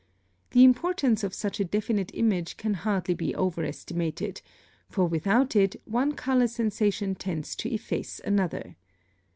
The importance of such a definite image can hardly be overestimated, for without it one color sensation tends to efface another.